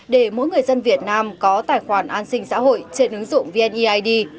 để mỗi người dân việt nam có tài khoản an sinh xã hội trên ứng dụng vneid